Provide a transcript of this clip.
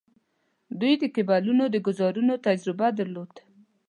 دوی د کیبلونو د ګوزارونو تجربه درلوده.